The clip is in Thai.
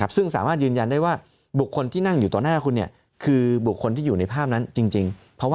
ซึ่งสามารถยืนยันได้ว่าบุคคลที่นั่งอยู่ต่อหน้าคุณคือบุคคลที่อยู่ในภาพนั้นจริง